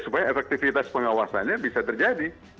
supaya efektivitas pengawasannya bisa terjadi